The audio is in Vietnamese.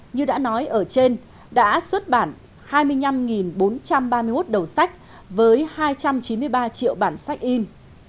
như đã nói ở trên đã xuất bản hai mươi năm bốn trăm ba mươi một đầu sách với hai trăm chín mươi ba triệu bản sách in